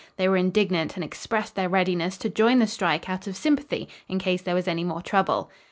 They were indignant and expressed their readiness to join the strike out of sympathy in case there was any more trouble.